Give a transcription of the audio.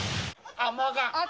あっ、もうあかん。